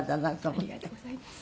ありがとうございます。